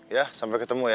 ya sampai ketemu ya